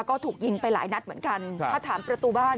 ก็ถูกยิงไปหลายนัดเหมือนกันถ้าถามประตูบ้าน